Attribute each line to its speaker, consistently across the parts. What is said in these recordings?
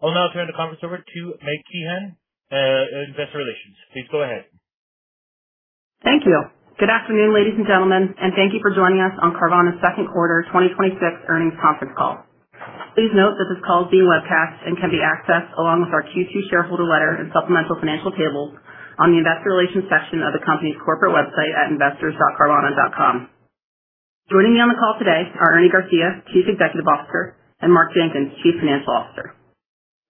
Speaker 1: I'll now turn the conference over to Meg Kehan, Investor Relations. Please go ahead.
Speaker 2: Thank you. Good afternoon, ladies and gentlemen, and thank you for joining us on Carvana's second quarter 2026 earnings conference call. Please note that this call is being webcast and can be accessed along with our Q2 shareholder letter and supplemental financial tables on the Investor Relations section of the company's corporate website at investors.carvana.com. Joining me on the call today are Ernie Garcia, Chief Executive Officer, and Mark Jenkins, Chief Financial Officer.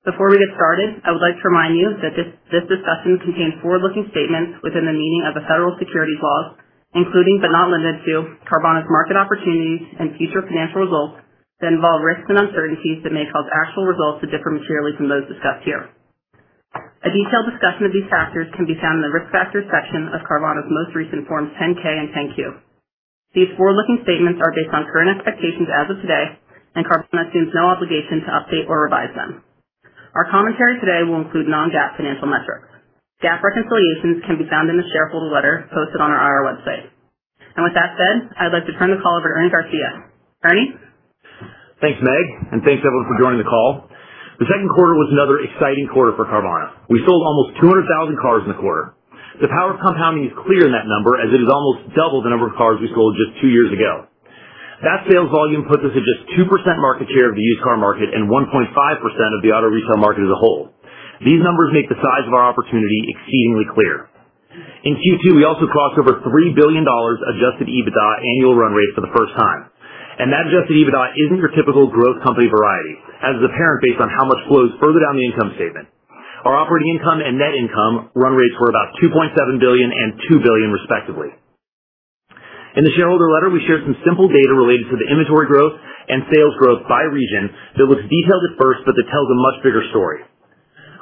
Speaker 2: Before we get started, I would like to remind you that this discussion contains forward-looking statements within the meaning of the federal securities laws, including but not limited to Carvana's market opportunities and future financial results that involve risks and uncertainties that may cause actual results to differ materially from those discussed here. A detailed discussion of these factors can be found in the Risk Factors section of Carvana's most recent Forms 10-K and 10-Q. These forward-looking statements are based on current expectations as of today, Carvana assumes no obligation to update or revise them. Our commentary today will include non-GAAP financial metrics. GAAP reconciliations can be found in the shareholder letter posted on our IR website. With that said, I'd like to turn the call over to Ernie Garcia. Ernie?
Speaker 3: Thanks, Meg, and thanks, everyone, for joining the call. The second quarter was another exciting quarter for Carvana. We sold almost 200,000 cars in the quarter. The power of compounding is clear in that number, as it is almost double the number of cars we sold just two years ago. That sales volume puts us at just 2% market share of the used car market and 1.5% of the auto retail market as a whole. These numbers make the size of our opportunity exceedingly clear. In Q2, we also crossed over $3 billion adjusted EBITDA annual run rate for the first time. That adjusted EBITDA isn't your typical growth company variety, as is apparent based on how much flows further down the income statement. Our operating income and net income run rates were about $2.7 billion and $2 billion respectively. In the shareholder letter, we shared some simple data related to the inventory growth and sales growth by region that looks detailed at first, but that tells a much bigger story.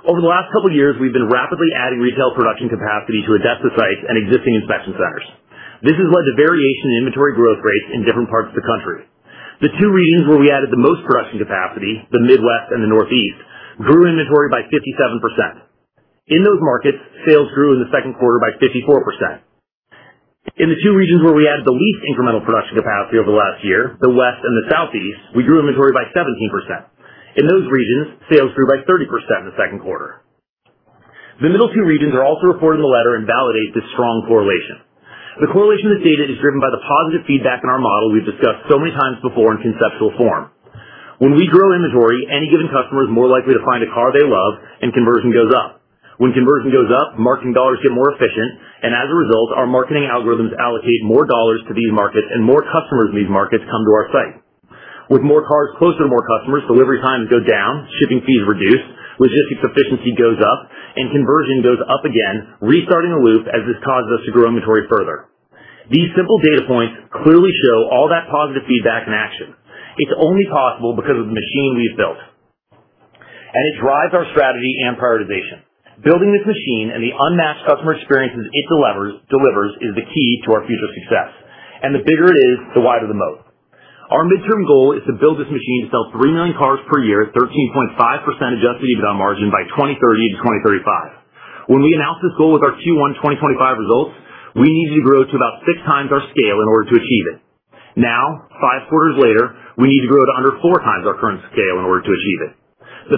Speaker 3: Over the last couple years, we've been rapidly adding retail production capacity to ADESA sites and existing inspection centers. This has led to variation in inventory growth rates in different parts of the country. The two regions where we added the most production capacity, the Midwest and the Northeast, grew inventory by 57%. In those markets, sales grew in the second quarter by 54%. In the two regions where we added the least incremental production capacity over the last year, the West and the Southeast, we grew inventory by 17%. In those regions, sales grew by 30% in the second quarter. The middle two regions are also reported in the letter and validate this strong correlation. The correlation of this data is driven by the positive feedback in our model we've discussed so many times before in conceptual form. When we grow inventory, any given customer is more likely to find a car they love and conversion goes up. When conversion goes up, marketing dollars get more efficient, and as a result, our marketing algorithms allocate more dollars to these markets and more customers in these markets come to our site. With more cars closer to more customers, delivery times go down, shipping fees reduce, logistics efficiency goes up, and conversion goes up again, restarting the loop as this causes us to grow inventory further. These simple data points clearly show all that positive feedback in action. It's only possible because of the machine we've built. It drives our strategy and prioritization. Building this machine and the unmatched customer experiences it delivers is the key to our future success. The bigger it is, the wider the moat. Our midterm goal is to build this machine to sell 3 million cars per year at 13.5% adjusted EBITDA margin by 2030 to 2035. When we announced this goal with our Q1 2025 results, we needed to grow to about six times our scale in order to achieve it. Now, five quarters later, we need to grow to under four times our current scale in order to achieve it.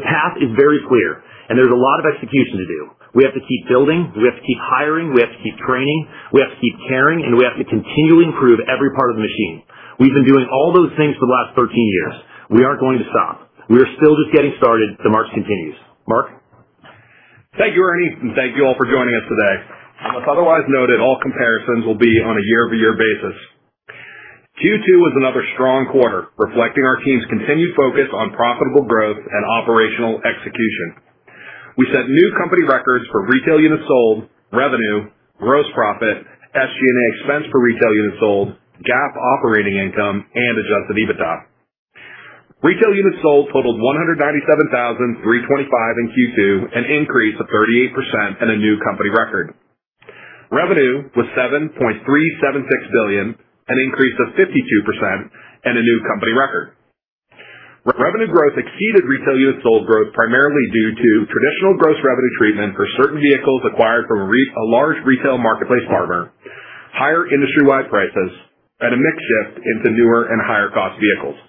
Speaker 3: The path is very clear and there's a lot of execution to do. We have to keep building, we have to keep hiring, we have to keep training, we have to keep caring, and we have to continually improve every part of the machine. We've been doing all those things for the last 13 years. We aren't going to stop. We are still just getting started. The march continues. Mark?
Speaker 4: Thank you, Ernie, and thank you all for joining us today. Unless otherwise noted, all comparisons will be on a year-over-year basis. Q2 was another strong quarter, reflecting our team's continued focus on profitable growth and operational execution. We set new company records for retail units sold, revenue, gross profit, SG&A expense per retail units sold, GAAP operating income, and adjusted EBITDA. Retail units sold totaled 197,325 in Q2, an increase of 38% and a new company record. Revenue was $7.376 billion, an increase of 52% and a new company record. Revenue growth exceeded retail units sold growth primarily due to traditional gross revenue treatment for certain vehicles acquired from a large retail marketplace partner, higher industry-wide prices, and a mix shift into newer and higher-cost vehicles.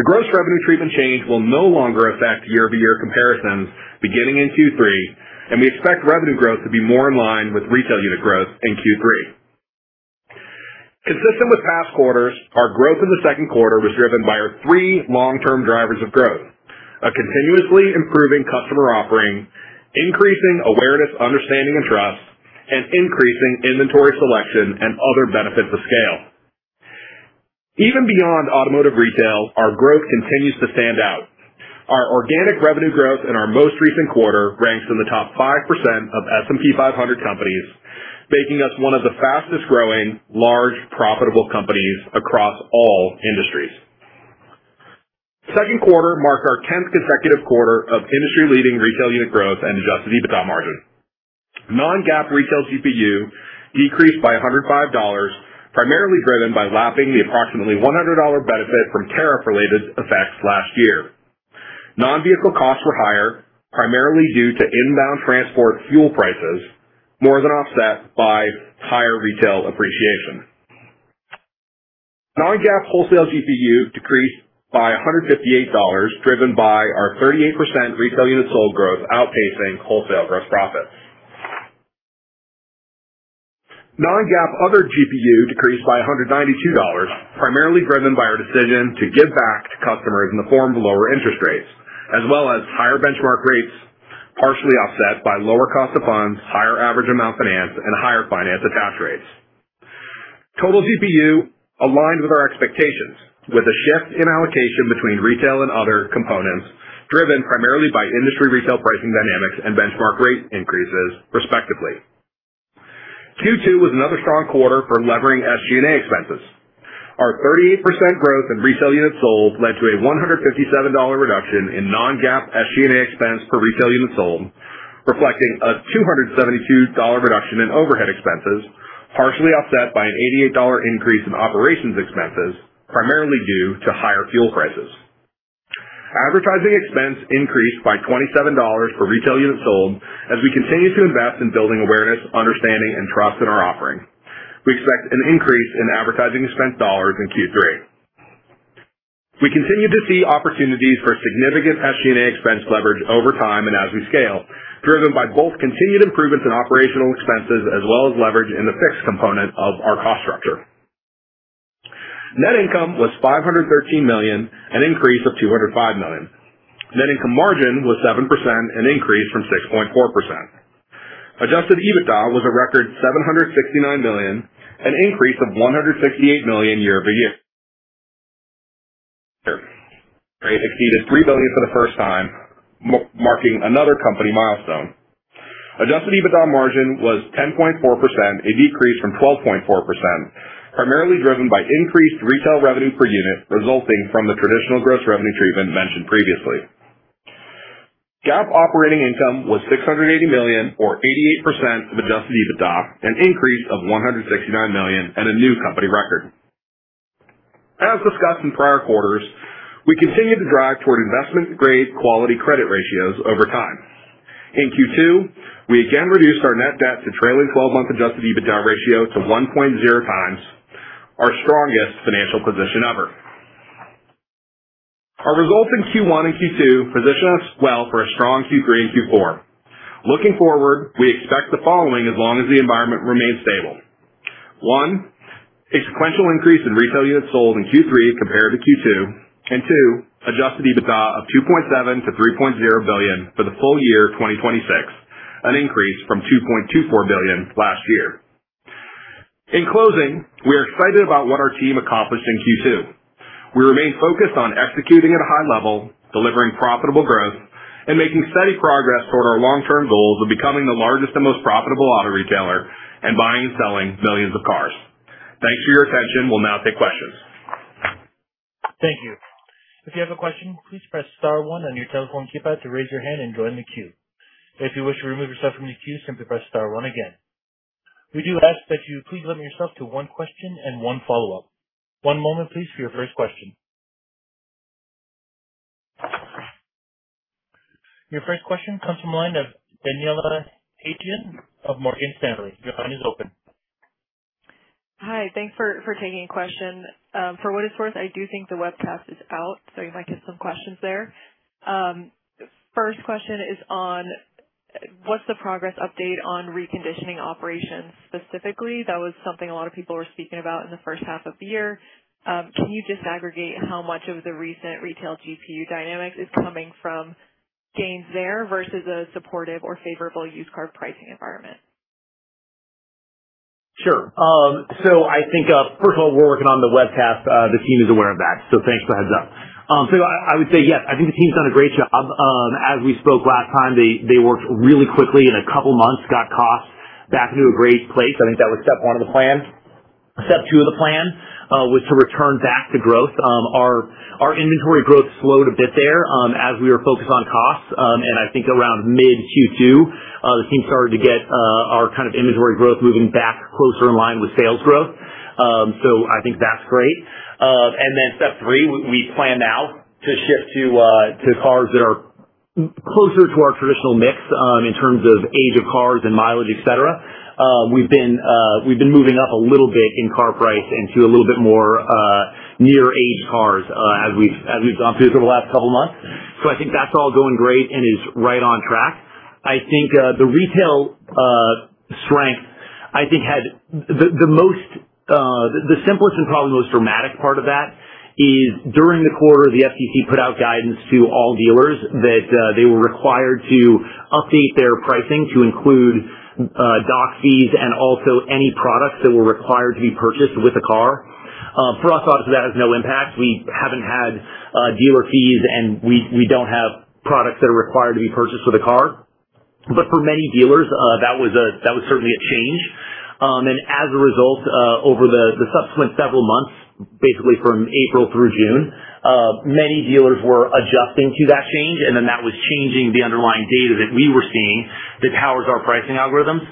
Speaker 4: The gross revenue treatment change will no longer affect year-over-year comparisons beginning in Q3. We expect revenue growth to be more in line with retail unit growth in Q3. Consistent with past quarters, our growth in the second quarter was driven by our three long-term drivers of growth, a continuously improving customer offering, increasing awareness, understanding, and trust, and increasing inventory selection and other benefits of scale. Even beyond automotive retail, our growth continues to stand out. Our organic revenue growth in our most recent quarter ranks in the top 5% of S&P 500 companies, making us one of the fastest-growing large profitable companies across all industries. Second quarter marked our 10th consecutive quarter of industry-leading retail unit growth and adjusted EBITDA margin. Non-GAAP Retail GPU decreased by $105, primarily driven by lapping the approximately $100 benefit from tariff-related effects last year. Non-vehicle costs were higher, primarily due to inbound transport fuel prices, more than offset by higher retail appreciation. Non-GAAP Wholesale GPU decreased by $158, driven by our 38% retail units sold growth outpacing wholesale gross profits. Non-GAAP Other GPU decreased by $192, primarily driven by our decision to give back to customers in the form of lower interest rates, as well as higher benchmark rates, partially offset by lower cost of funds, higher average amount finance, and higher finance attach rates. Total GPU aligned with our expectations, with a shift in allocation between retail and other components, driven primarily by industry retail pricing dynamics and benchmark rate increases, respectively. Q2 was another strong quarter for levering SG&A expenses. Our 38% growth in retail units sold led to a $157 reduction in Non-GAAP SG&A expense per retail unit sold, reflecting a $272 reduction in overhead expenses, partially offset by an $88 increase in operations expenses, primarily due to higher fuel prices. Advertising expense increased by $27 per retail unit sold as we continue to invest in building awareness, understanding, and trust in our offering. We expect an increase in advertising expense dollars in Q3. We continue to see opportunities for significant SG&A expense leverage over time and as we scale, driven by both continued improvements in operational expenses as well as leverage in the fixed component of our cost structure. Net income was $513 million, an increase of $205 million. Net income margin was 7%, an increase from 6.4%. Adjusted EBITDA was a record $769 million, an increase of $168 million year-over-year. Rate exceeded $3 billion for the first time, marking another company milestone. Adjusted EBITDA margin was 10.4%, a decrease from 12.4%, primarily driven by increased retail revenue per unit resulting from the traditional gross revenue treatment mentioned previously. GAAP operating income was $680 million, or 88% of adjusted EBITDA, an increase of $169 million and a new company record. As discussed in prior quarters, we continue to drive toward investment-grade quality credit ratios over time. In Q2, we again reduced our net debt to trailing 12-month adjusted EBITDA ratio to 1.0x our strongest financial position ever. Our results in Q1 and Q2 position us well for a strong Q3 and Q4. Looking forward, we expect the following as long as the environment remains stable. One, a sequential increase in retail units sold in Q3 compared to Q2. Two, adjusted EBITDA of $2.7 billion-$3.0 billion for the full year 2026, an increase from $2.24 billion last year. In closing, we are excited about what our team accomplished in Q2. We remain focused on executing at a high level, delivering profitable growth, and making steady progress toward our long-term goals of becoming the largest and most profitable auto retailer in buying and selling millions of cars. Thanks for your attention. We'll now take questions.
Speaker 1: Thank you. If you have a question, please press star one on your telephone keypad to raise your hand and join the queue. If you wish to remove yourself from the queue, simply press star one again. We do ask that you please limit yourself to one question and one follow-up. One moment please, for your first question. Your first question comes from the line of Daniela Haigian of Morgan Stanley. Your line is open.
Speaker 5: Hi. Thanks for taking a question. For what it's worth, I do think the webcast is out, so you might get some questions there. First question is on, what's the progress update on reconditioning operations, specifically? That was something a lot of people were speaking about in the first half of the year. Can you disaggregate how much of the recent Retail GPU dynamics is coming from gains there versus a supportive or favorable used car pricing environment?
Speaker 3: Sure. I think, first of all, we're working on the webcast. The team is aware of that, thanks for the heads up. I would say yes, I think the team's done a great job. As we spoke last time, they worked really quickly in a couple of months, got costs back into a great place. I think that was step one of the plan. Step two of the plan, was to return back to growth. Our inventory growth slowed a bit there as we were focused on costs. I think around mid Q2, the team started to get our inventory growth moving back closer in line with sales growth. I think that's great. Step three, we plan now to shift to cars that are closer to our traditional mix, in terms of age of cars and mileage, et cetera. We've been moving up a little bit in car price into a little bit more near age cars, as we've gone through the last couple of months. I think that's all going great and is right on track. I think the retail strength, the simplest and probably most dramatic part of that is during the quarter, the FTC put out guidance to all dealers that they were required to update their pricing to include doc fees and also any products that were required to be purchased with a car. For us, obviously, that has no impact. We haven't had dealer fees, and we don't have products that are required to be purchased with a car. For many dealers, that was certainly a change. As a result, over the subsequent several months, basically from April through June, many dealers were adjusting to that change, that was changing the underlying data that we were seeing that powers our pricing algorithms.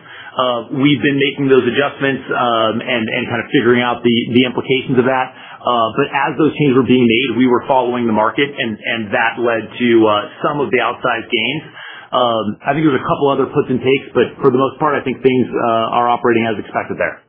Speaker 3: We've been making those adjustments, and kind of figuring out the implications of that. As those changes were being made, we were following the market and that led to some of the outsized gains I think there's a couple other puts and takes, for the most part, I think things are operating as expected there.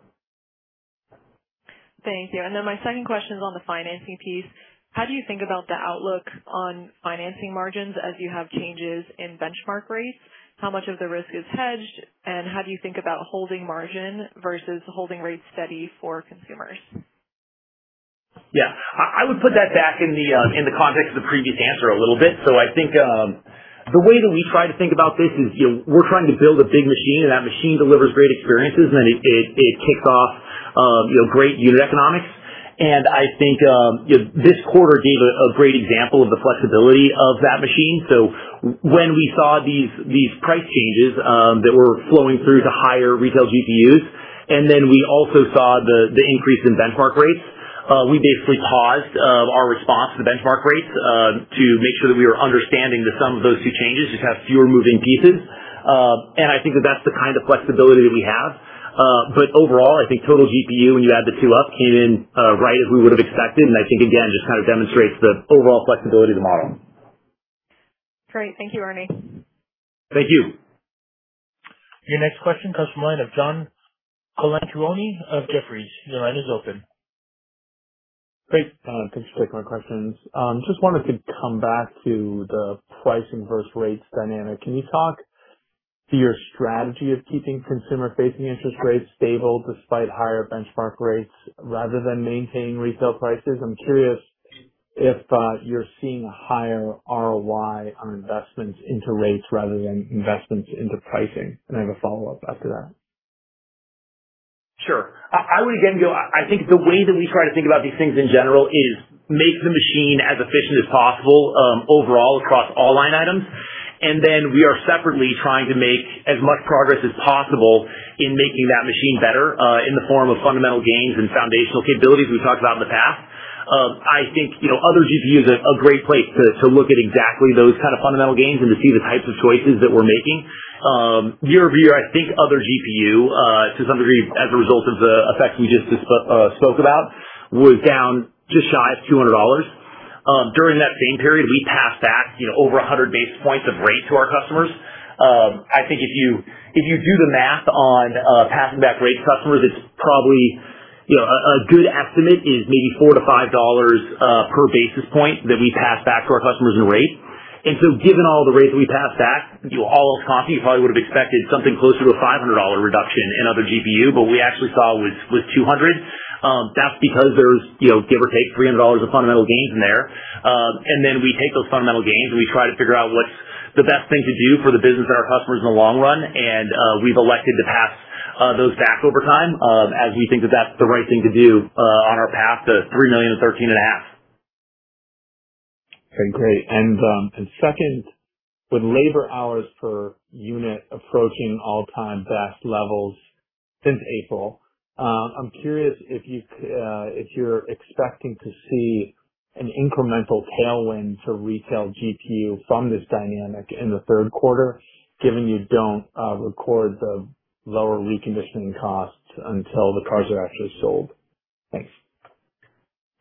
Speaker 5: Thank you. Then my second question is on the financing piece. How do you think about the outlook on financing margins as you have changes in benchmark rates? How much of the risk is hedged, and how do you think about holding margin versus holding rates steady for consumers?
Speaker 3: Yeah. I would put that back in the context of the previous answer a little bit. I think, the way that we try to think about this is we're trying to build a big machine, that machine delivers great experiences, it kicks off great unit economics. I think this quarter gave a great example of the flexibility of that machine. When we saw these price changes that were flowing through to higher Retail GPUs, then we also saw the increase in benchmark rates. We basically paused our response to the benchmark rates to make sure that we were understanding the sum of those two changes, just have fewer moving pieces. I think that that's the kind of flexibility that we have. Overall, I think total GPU, when you add the two up, came in right as we would have expected. I think, again, just kind of demonstrates the overall flexibility of the model.
Speaker 5: Great. Thank you, Ernie.
Speaker 3: Thank you.
Speaker 1: Your next question comes from the line of John Colantuoni of Jefferies. Your line is open.
Speaker 6: Great. Thanks for taking my questions. Just wanted to come back to the pricing versus rates dynamic. Can you talk to your strategy of keeping consumer-facing interest rates stable despite higher benchmark rates rather than maintaining retail prices? I'm curious if you're seeing a higher ROI on investments into rates rather than investments into pricing. I have a follow-up after that.
Speaker 3: Sure. I would, again, I think the way that we try to think about these things in general is make the machine as efficient as possible, overall, across all line items. We are separately trying to make as much progress as possible in making that machine better in the form of fundamental gains and foundational capabilities we've talked about in the past. I think Other GPU is a great place to look at exactly those kind of fundamental gains and to see the types of choices that we're making. Year-over-year, I think Other GPU, to some degree as a result of the effect we just spoke about, was down just shy of $200. During that same period, we passed back over 100 base points of rate to our customers. I think if you do the math on passing back rate to customers, it's probably a good estimate is maybe $4-$5 per basis point that we pass back to our customers in rate. Given all the rates we passed back, all else constant, you probably would have expected something closer to a $500 reduction in Other GPU, but we actually saw was $200. That's because there's give or take $300 of fundamental gains in there. Then we take those fundamental gains, and we try to figure out what's the best thing to do for the business and our customers in the long run. We've elected to pass those back over time as we think that that's the right thing to do on our path to 3 million, 13.5%.
Speaker 6: Okay, great. Second, with labor hours per unit approaching all-time best levels since April. I'm curious if you're expecting to see an incremental tailwind to Retail GPU from this dynamic in the third quarter, given you don't record the lower reconditioning costs until the cars are actually sold. Thanks.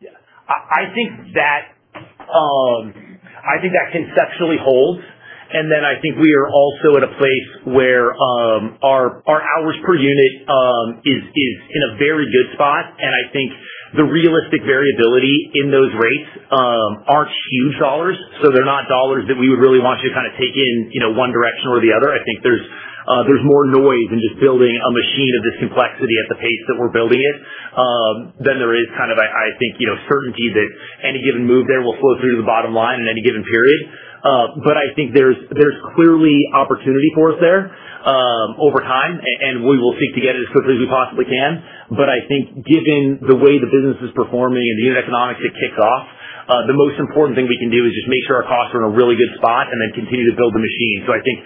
Speaker 3: Yeah. I think that conceptually holds. Then I think we are also at a place where our hours per unit is in a very good spot. I think the realistic variability in those rates aren't huge dollars. They're not dollars that we would really want you to take in one direction or the other. I think there's more noise in just building a machine of this complexity at the pace that we're building it than there is certainty that any given move there will flow through to the bottom line in any given period. I think there's clearly opportunity for us there over time, and we will seek to get it as quickly as we possibly can. I think given the way the business is performing and the unit economics it kicks off, the most important thing we can do is just make sure our costs are in a really good spot and then continue to build the machine. I think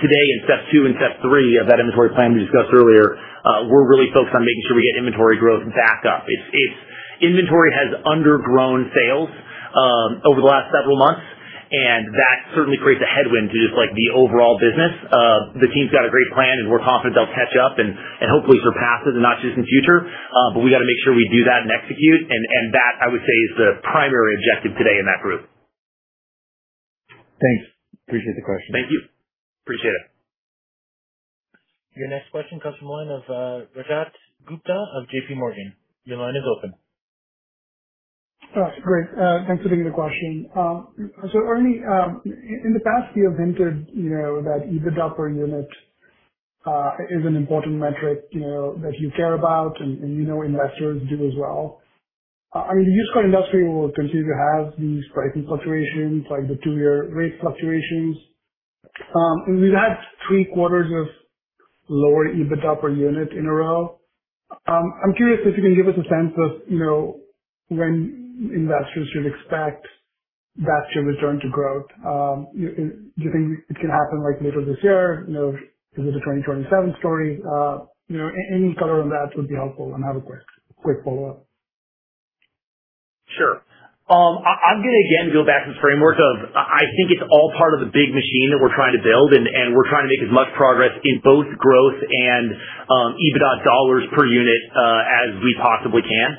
Speaker 3: today in step two and step three of that inventory plan we discussed earlier, we're really focused on making sure we get inventory growth back up. Inventory has undergrown sales over the last several months, and that certainly creates a headwind to just the overall business. The team's got a great plan, and we're confident they'll catch up and hopefully surpass it in not too distant future. We got to make sure we do that and execute. That, I would say, is the primary objective today in that group.
Speaker 6: Thanks. Appreciate the question.
Speaker 3: Thank you. Appreciate it.
Speaker 1: Your next question comes from the line of Rajat Gupta of JPMorgan. Your line is open.
Speaker 7: Great. Thanks for taking the question. Ernie, in the past you have hinted that EBITDA per unit is an important metric that you care about and you know investors do as well. I mean, the used car industry will continue to have these pricing fluctuations, like the two-year rate fluctuations. We've had three quarters of lower EBITDA per unit in a row. I'm curious if you can give us a sense of when investors should expect that to return to growth. Do you think it can happen later this year? Is it a 2027 story? Any color on that would be helpful. I have a quick follow-up.
Speaker 3: Sure. I'm going to again go back to the framework of I think it's all part of the big machine that we're trying to build, and we're trying to make as much progress in both growth and EBITDA dollars per unit as we possibly can.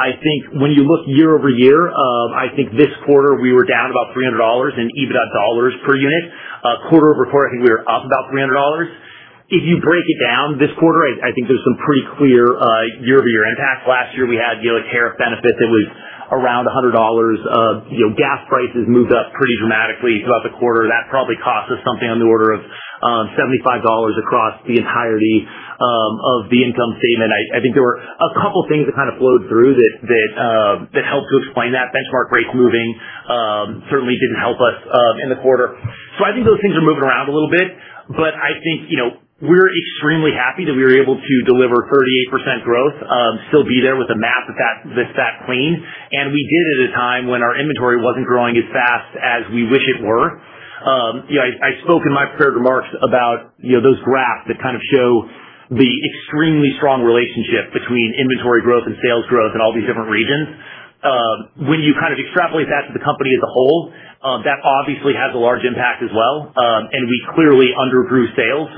Speaker 3: I think when you look year-over-year, I think this quarter we were down about $300 in EBITDA dollars per unit. Quarter-over-quarter, I think we were up about $300. If you break it down this quarter, I think there's some pretty clear year-over-year impact. Last year, we had tariff benefits that was around $100. Gas prices moved up pretty dramatically throughout the quarter. That probably cost us something on the order of $75 across the entirety of the income statement. I think there were a couple things that kind of flowed through that helped to explain that. Benchmark rates moving certainly didn't help us in the quarter. I think those things are moving around a little bit, but I think we're extremely happy that we were able to deliver 38% growth, still be there with a math that's that clean. We did at a time when our inventory wasn't growing as fast as we wish it were. I spoke in my prepared remarks about those graphs that show the extremely strong relationship between inventory growth and sales growth in all these different regions. When you extrapolate that to the company as a whole, that obviously has a large impact as well. We clearly undergrew sales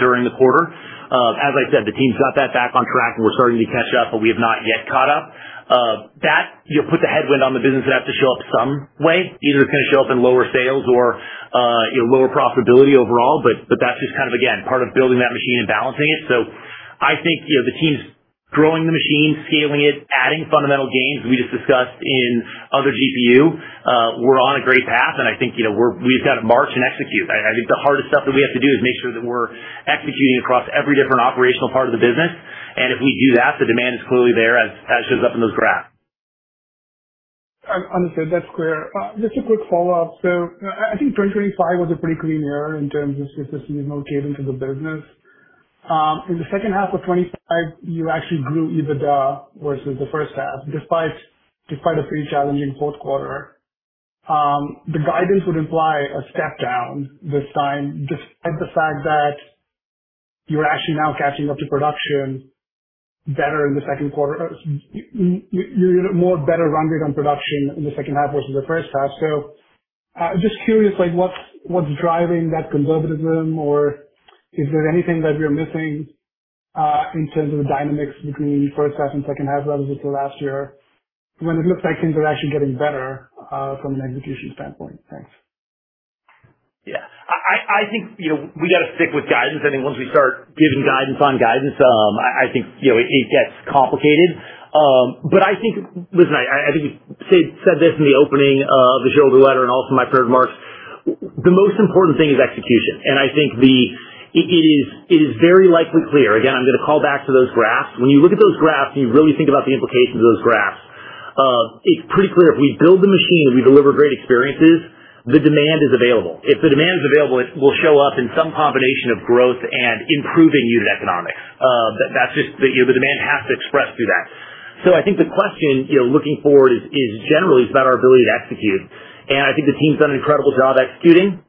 Speaker 3: during the quarter. As I said, the team's got that back on track and we're starting to catch up, but we have not yet caught up. That put the headwind on the business that has to show up some way, either it's going to show up in lower sales or lower profitability overall, but that's just kind of, again, part of building that machine and balancing it. I think the team's growing the machine, scaling it, adding fundamental gains. We just discussed in Other GPU. We're on a great path and I think we've got to march and execute. I think the hardest stuff that we have to do is make sure that we're executing across every different operational part of the business. If we do that, the demand is clearly there as shows up in those graphs.
Speaker 7: Understood. That's clear. Just a quick follow-up. I think 2025 was a pretty clean year in terms of consistency of momentum for the business. In the second half of 2025, you actually grew EBITDA versus the first half, despite a pretty challenging fourth quarter. The guidance would imply a step down this time, despite the fact that you're actually now catching up to production better in the second quarter. You're more better rounded on production in the second half versus the first half. Just curious, what's driving that conservatism or is there anything that we're missing in terms of the dynamics between first half and second half relative to last year, when it looks like things are actually getting better from an execution standpoint? Thanks.
Speaker 3: Yeah. I think we got to stick with guidance. I think once we start giving guidance on guidance, I think it gets complicated. I think, listen, I think you said this in the opening of the shareholder letter and also my prepared remarks. The most important thing is execution. I think it is very likely clear. Again, I'm going to call back to those graphs. When you look at those graphs and you really think about the implications of those graphs, it's pretty clear if we build the machine and we deliver great experiences, the demand is available. If the demand is available, it will show up in some combination of growth and improving unit economics. The demand has to express through that. I think the question looking forward is generally it's about our ability to execute. I think the team's done an incredible job executing.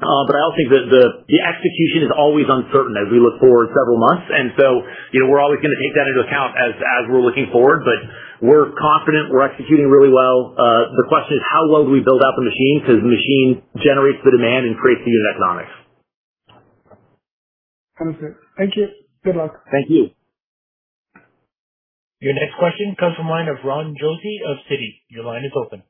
Speaker 3: I also think that the execution is always uncertain as we look forward several months, and so we're always going to take that into account as we're looking forward. We're confident we're executing really well. The question is how well do we build out the machine? Because the machine generates the demand and creates the unit economics.
Speaker 7: Understood. Thank you. Good luck.
Speaker 3: Thank you.
Speaker 1: Your next question comes from the line of Ron Josey of Citi. Your line is open.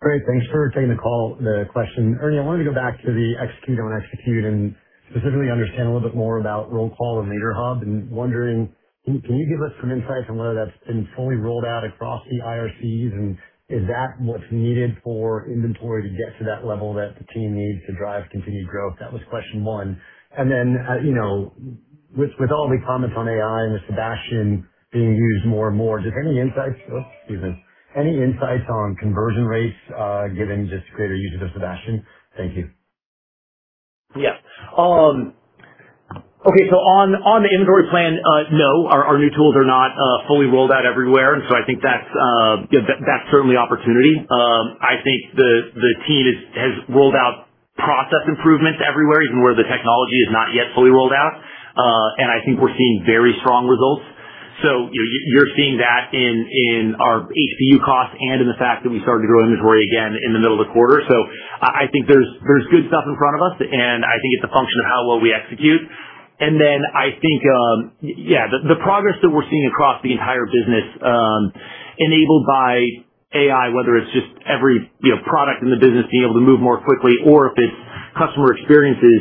Speaker 8: Great. Thanks for taking the call. The question, Ernie, I wanted to go back to the execute, don't execute, and specifically understand a little bit more about Roll Call and Leader Hub. Wondering, can you give us some insights on whether that's been fully rolled out across the IRCs, and is that what's needed for inventory to get to that level that the team needs to drive continued growth? That was question one. Then with all the comments on AI and the Sebastian being used more and more, just any insights on conversion rates given just greater usage of Sebastian? Thank you.
Speaker 3: Yeah. Okay, on the inventory plan, no, our new tools are not fully rolled out everywhere, and so I think that's certainly opportunity. I think the team has rolled out process improvements everywhere, even where the technology is not yet fully rolled out. I think we're seeing very strong results. You're seeing that in our HCU costs and in the fact that we started to grow inventory again in the middle of the quarter. I think there's good stuff in front of us, and I think it's a function of how well we execute. Then I think, yeah, the progress that we're seeing across the entire business enabled by AI, whether it's just every product in the business being able to move more quickly or if it's customer experiences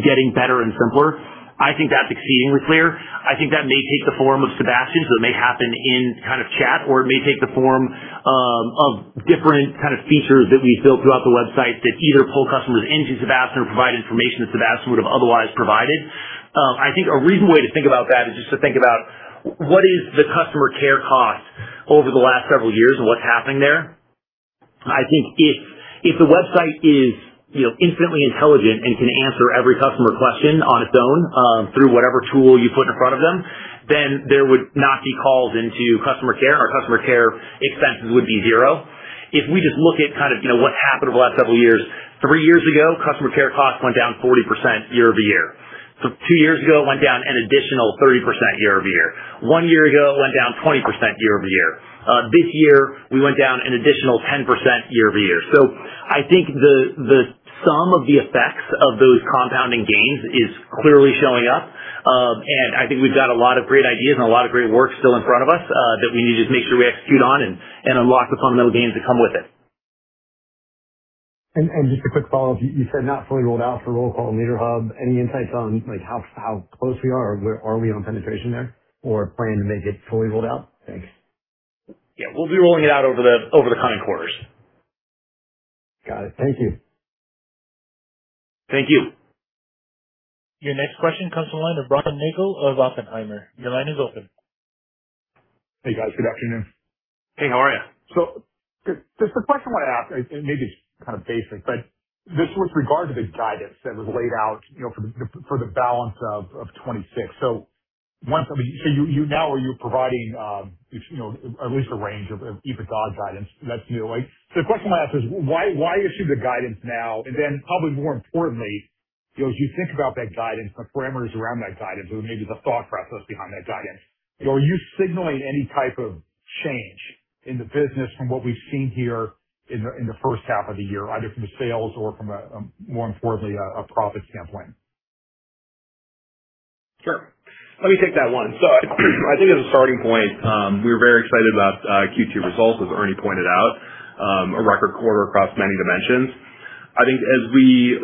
Speaker 3: getting better and simpler, I think that's exceedingly clear. I think that may take the form of Sebastian, so it may happen in chat, or it may take the form of different kind of features that we've built throughout the website that either pull customers into Sebastian or provide information that Sebastian would have otherwise provided. I think a reasonable way to think about that is just to think about what is the customer care cost over the last several years and what's happening there. I think if the website is infinitely intelligent and can answer every customer question on its own through whatever tool you put in front of them, then there would not be calls into customer care, our customer care expenses would be zero. If we just look at what happened over the last several years, three years ago, customer care costs went down 40% year-over-year. Two years ago, it went down an additional 30% year-over-year. One year ago, it went down 20% year-over-year. This year, we went down an additional 10% year-over-year. I think the sum of the effects of those compounding gains is clearly showing up. I think we've got a lot of great ideas and a lot of great work still in front of us that we need to just make sure we execute on and unlock the fundamental gains that come with it.
Speaker 8: Just a quick follow-up. You said not fully rolled out for Roll Call and Leader Hub. Any insights on how close we are or where are we on penetration there or plan to make it fully rolled out? Thanks.
Speaker 3: Yeah, we'll be rolling it out over the coming quarters.
Speaker 8: Got it. Thank you.
Speaker 3: Thank you.
Speaker 1: Your next question comes from the line of Brian Nagel of Oppenheimer. Your line is open.
Speaker 9: Hey, guys. Good afternoon.
Speaker 3: Hey, how are you?
Speaker 9: Just a question I want to ask, and maybe it's kind of basic, but this was regard to the guidance that was laid out for the balance of 2026. Now are you providing at least a range of EBITDA guidance that's new? The question I'm going to ask is why issue the guidance now? Probably more importantly, as you think about that guidance, the parameters around that guidance, or maybe the thought process behind that guidance, are you signaling any type of change in the business from what we've seen here in the first half of the year, either from a sales or from a, more importantly, a profit standpoint?
Speaker 4: Sure. Let me take that one. I think as a starting point, we were very excited about Q2 results, as Ernie pointed out, a record quarter across many dimensions. I think as we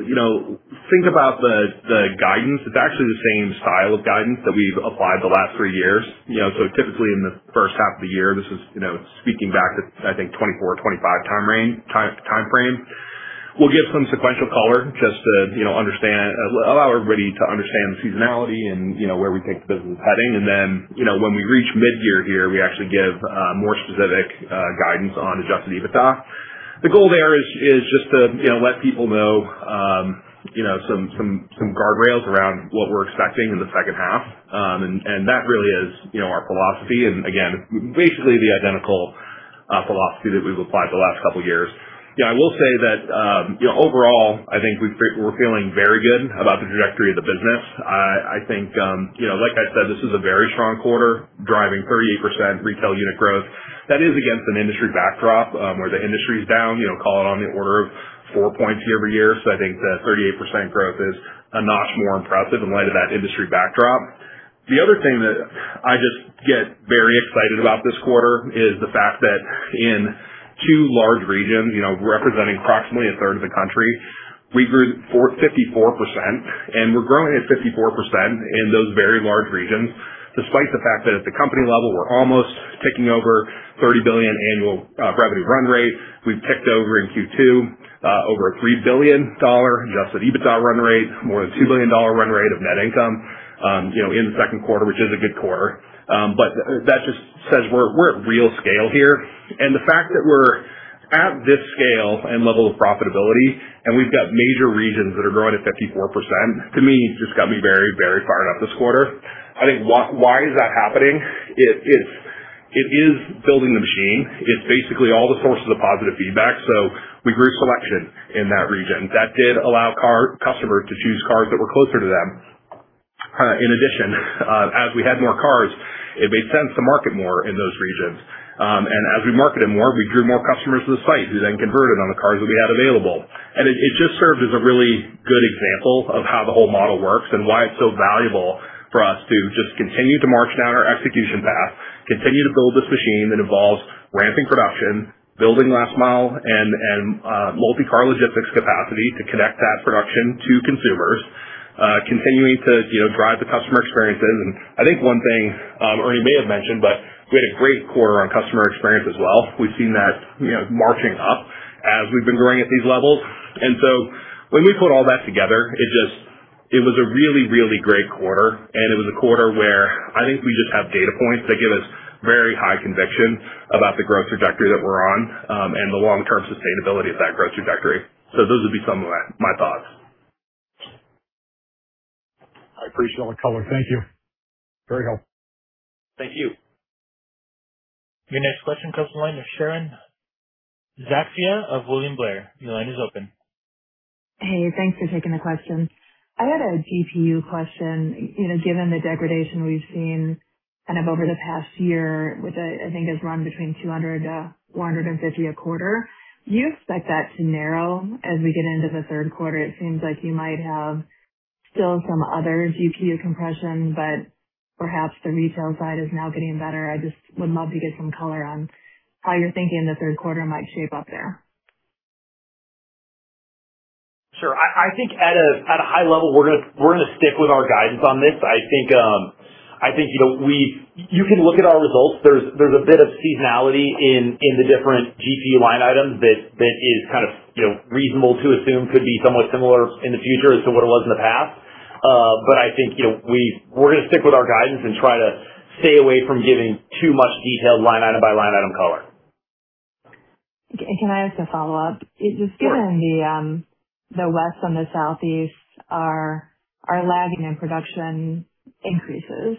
Speaker 4: think about the guidance, it's actually the same style of guidance that we've applied the last three years. Typically in the first half of the year, this is speaking back to, I think, 2024-2025 time frame. We'll give some sequential color just to allow everybody to understand the seasonality and where we think the business is heading. When we reach mid-year here, we actually give more specific guidance on adjusted EBITDA. The goal there is just to let people know some guardrails around what we're expecting in the second half. That really is our philosophy, and again, basically the identical philosophy that we've applied the last couple of years. I will say that overall, I think we're feeling very good about the trajectory of the business. I think, like I said, this is a very strong quarter, driving 38% retail unit growth. That is against an industry backdrop where the industry is down, call it on the order of 4 points year-over-year. I think the 38% growth is a notch more impressive in light of that industry backdrop. The other thing that I just get very excited about this quarter is the fact that in two large regions representing approximately a third of the country, we grew 54%, and we're growing at 54% in those very large regions, despite the fact that at the company level, we're almost ticking over $30 billion annual revenue run rate. We've ticked over in Q2 over a $3 billion adjusted EBITDA run rate, more than a $2 billion run rate of net income in the second quarter, which is a good quarter. That just says we're at real scale here. The fact that we're at this scale and level of profitability, and we've got major regions that are growing at 54%, to me, just got me very fired up this quarter. I think why is that happening? It is building the machine. It's basically all the sources of positive feedback. We grew selection in that region. That did allow customers to choose cars that were closer to them. In addition, as we had more cars, it made sense to market more in those regions. As we marketed more, we drew more customers to the site who then converted on the cars that we had available. It just served as a really good example of how the whole model works and why it's so valuable for us to just continue to march down our execution path, continue to build this machine that involves ramping production, building last mile, and multi-car logistics capacity to connect that production to consumers, continuing to drive the customer experiences. I think one thing Ernie may have mentioned, but we had a great quarter on customer experience as well. We've seen that marching up as we've been growing at these levels. When we put all that together, it was a really, really great quarter, and it was a quarter where I think we just have data points that give us very high conviction about the growth trajectory that we're on and the long-term sustainability of that growth trajectory. Those would be some of my thoughts.
Speaker 9: I appreciate all the color. Thank you. Very helpful.
Speaker 4: Thank you.
Speaker 1: Your next question comes from the line of Sharon Zackfia, of William Blair. Your line is open.
Speaker 10: Hey, thanks for taking the question. I had a GPU question. Given the degradation we've seen over the past year, which I think has run between $200-$150 a quarter, do you expect that to narrow as we get into the third quarter? It seems like you might have still some Other GPU compression, but perhaps the retail side is now getting better. I just would love to get some color on how you're thinking the third quarter might shape up there.
Speaker 3: Sure. I think at a high level, we're going to stick with our guidance on this. I think you can look at our results. There's a bit of seasonality in the different GPU line items that is reasonable to assume could be somewhat similar in the future as to what it was in the past. I think we're going to stick with our guidance and try to stay away from giving too much detailed line item by line item color.
Speaker 10: Can I ask a follow-up?
Speaker 3: Sure.
Speaker 10: Given the West and the Southeast are lagging in production increases,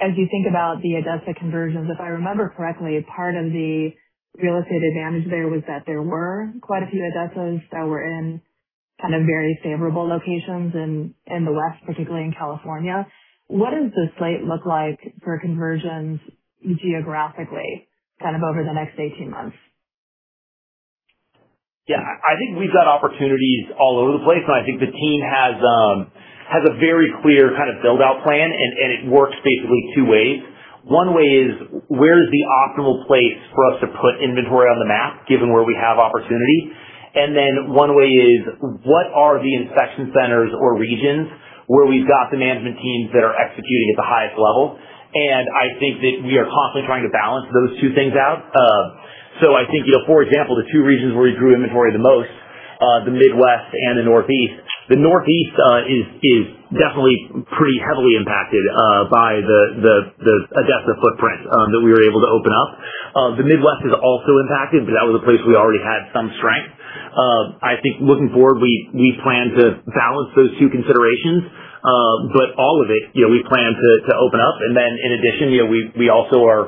Speaker 10: as you think about the ADESA conversions, if I remember correctly, part of the real estate advantage there was that there were quite a few ADESAs that were in kind of very favorable locations in the West, particularly in California. What does the slate look like for conversions geographically over the next 18 months?
Speaker 3: Yeah. I think we've got opportunities all over the place, the team has a very clear build-out plan, and it works basically two ways. One way is, where's the optimal place for us to put inventory on the map, given where we have opportunity? Then one way is, what are the inspection centers or regions where we've got the management teams that are executing at the highest level? I think that we are constantly trying to balance those two things out. I think, for example, the two regions where we grew inventory the most, the Midwest and the Northeast. The Northeast is definitely pretty heavily impacted by the ADESA footprint that we were able to open up. The Midwest is also impacted because that was a place we already had some strength. I think looking forward, we plan to balance those two considerations. All of it, we plan to open up. In addition, we also are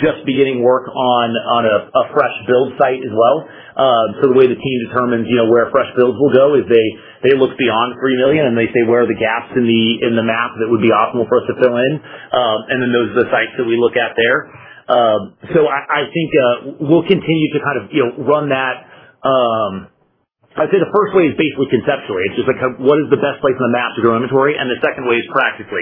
Speaker 3: just beginning work on a fresh build site as well. The way the team determines where fresh builds will go is they look beyond 3 million, and they say, where are the gaps in the map that would be optimal for us to fill in? Then those are the sites that we look at there. I think we'll continue to run that. I'd say the first way is basically conceptually. It's just like, what is the best place on the map to grow inventory? The second way is practically,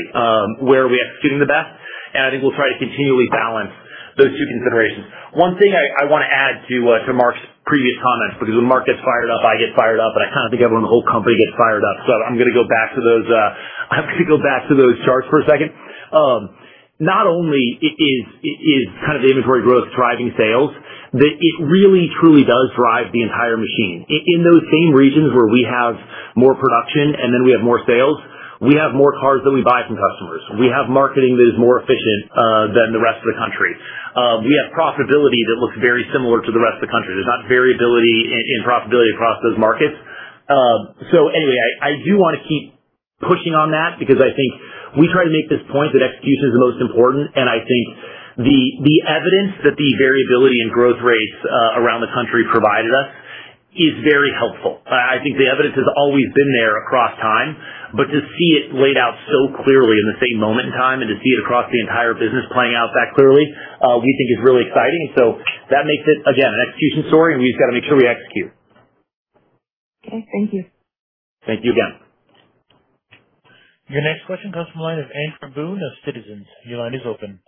Speaker 3: where are we executing the best? I think we'll try to continually balance those two considerations. One thing I want to add to Mark's previous comments, because when Mark gets fired up, I get fired up, and I think everyone in the whole company gets fired up. I'm going to go back to those charts for a second. Not only is the inventory growth driving sales, that it really truly does drive the entire machine. In those same regions where we have more production, we have more sales, we have more cars that we buy from customers. We have marketing that is more efficient than the rest of the country. We have profitability that looks very similar to the rest of the country. There's not variability in profitability across those markets. Anyway, I do want to keep pushing on that because I think we try to make this point that execution is the most important, and I think the evidence that the variability in growth rates around the country provided us is very helpful. I think the evidence has always been there across time, to see it laid out so clearly in the same moment in time and to see it across the entire business playing out that clearly, we think is really exciting. That makes it, again, an execution story, we've just got to make sure we execute.
Speaker 10: Okay. Thank you.
Speaker 3: Thank you again.
Speaker 1: Your next question comes from the line of Andrew Boone of Citizens. Your line is open.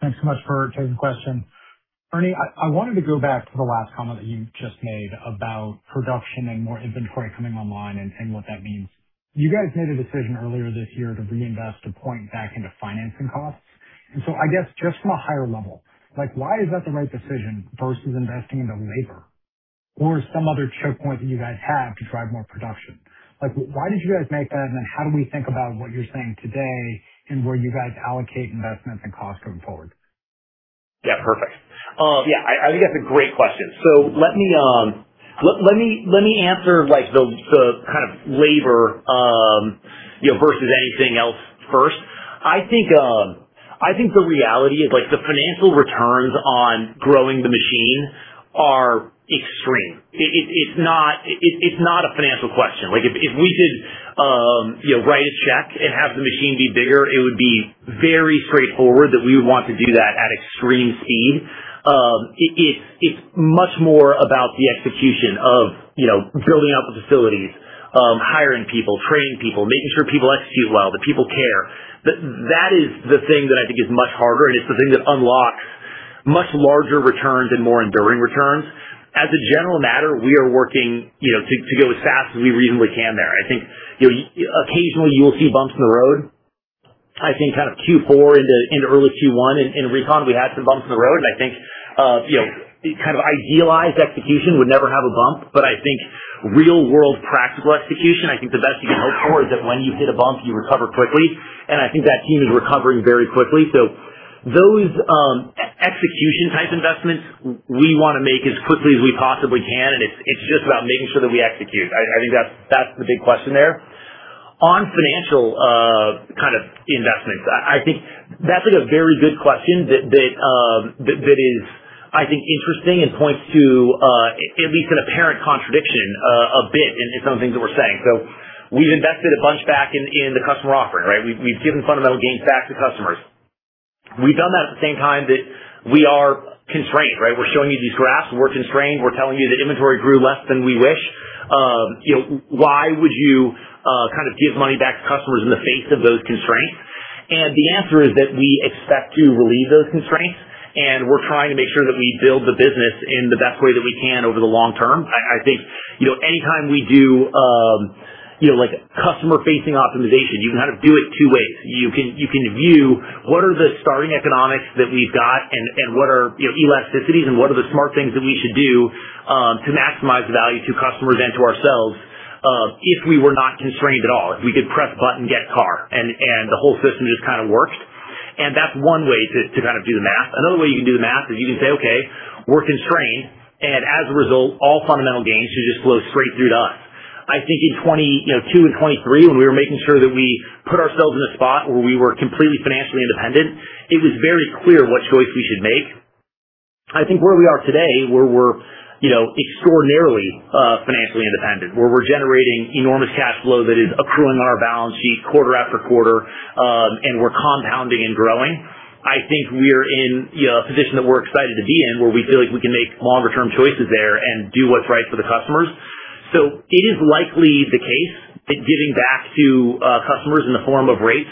Speaker 11: Thanks so much for taking the question. Ernie, I wanted to go back to the last comment that you just made about production and more inventory coming online and what that means. You guys made a decision earlier this year to reinvest a point back into financing costs. I guess just from a higher level, why is that the right decision versus investing into labor? Or some other choke point that you guys have to drive more production? Why did you guys make that, then how do we think about what you're saying today and where you guys allocate investments and costs going forward?
Speaker 3: Yeah, perfect. Yeah, I think that's a great question. Let me answer the kind of labor versus anything else first. I think the reality is the financial returns on growing the machine are extreme. It's not a financial question. If we could write a check and have the machine be bigger, it would be very straightforward that we would want to do that at extreme speed. It's much more about the execution of building out the facilities, hiring people, training people, making sure people execute well, that people care. That is the thing that I think is much harder, and it's the thing that unlocks much larger returns and more enduring returns. As a general matter, we are working to go as fast as we reasonably can there. I think occasionally you will see bumps in the road. I think Q4 into early Q1 in recon, we had some bumps in the road. I think idealized execution would never have a bump. I think real-world practical execution, I think the best you can hope for is that when you hit a bump, you recover quickly, and I think that team is recovering very quickly. Those execution type investments we want to make as quickly as we possibly can, and it's just about making sure that we execute. I think that's the big question there. On financial investments, I think that's a very good question that is, I think, interesting and points to at least an apparent contradiction a bit in some things that we're saying. We've invested a bunch back in the customer offering, right? We've given fundamental gains back to customers. We've done that at the same time that we are constrained, right? We're showing you these graphs. We're constrained. We're telling you that inventory grew less than we wish. Why would you give money back to customers in the face of those constraints? The answer is that we expect to relieve those constraints, and we're trying to make sure that we build the business in the best way that we can over the long term. I think anytime we do customer-facing optimization, you can do it two ways. You can view what are the starting economics that we've got and what are elasticities and what are the smart things that we should do to maximize the value to customers and to ourselves if we were not constrained at all, if we could press a button, get car, and the whole system just works. That's one way to do the math. Another way you can do the math is you can say, okay, we're constrained. As a result, all fundamental gains should just flow straight through to us. I think in 2022 and 2023, when we were making sure that we put ourselves in a spot where we were completely financially independent, it was very clear what choice we should make. I think where we are today, where we're extraordinarily financially independent, where we're generating enormous cash flow that is accruing on our balance sheet quarter after quarter. We're compounding and growing. I think we're in a position that we're excited to be in, where we feel like we can make longer-term choices there and do what's right for the customers. It is likely the case that giving back to customers in the form of rates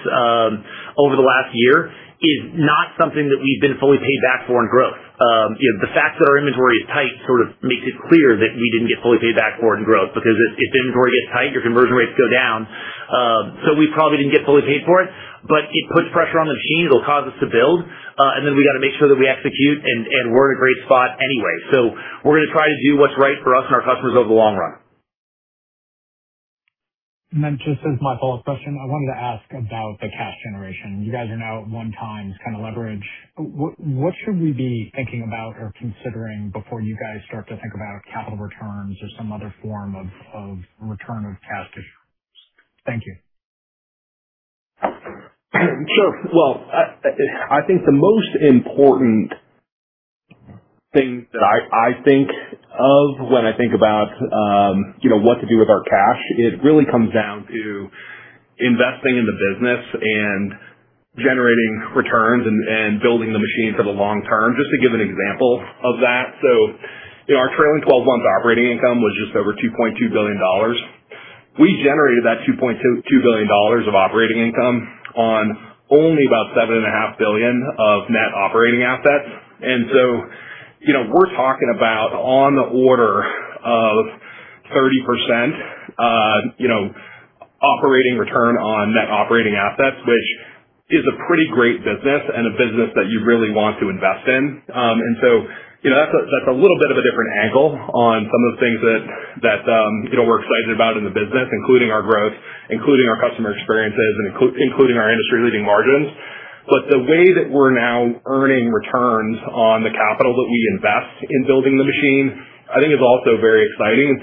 Speaker 3: over the last year is not something that we've been fully paid back for in growth. The fact that our inventory is tight sort of makes it clear that we didn't get fully paid back for it in growth, because if the inventory gets tight, your conversion rates go down. We probably didn't get fully paid for it, but it puts pressure on the machine. It'll cause us to build. Then we got to make sure that we execute. We're in a great spot anyway. We're going to try to do what's right for us and our customers over the long run.
Speaker 11: Just as my follow-up question, I wanted to ask about the cash generation. You guys are now at one times kind of leverage. What should we be thinking about or considering before you guys start to think about capital returns or some other form of return of cash to shareholders? Thank you.
Speaker 4: I think the most important thing that I think of when I think about what to do with our cash, it really comes down to investing in the business and generating returns and building the machine for the long term. Just to give an example of that, so our trailing 12 months operating income was just over $2.2 billion. We generated that $2.2 billion of operating income on only about $7.5 billion of net operating assets. We're talking about on the order of 30% operating return on net operating assets, which is a pretty great business and a business that you really want to invest in. That's a little bit of a different angle on some of the things that we're excited about in the business, including our growth, including our customer experiences, and including our industry-leading margins. The way that we're now earning returns on the capital that we invest in building the machine, I think is also very exciting.